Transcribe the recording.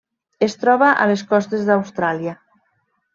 Es troba a les costes d'Austràlia.